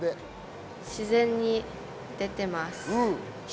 自然に出てます。